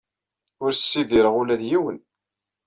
Ur ssidireɣ ula d yiwen.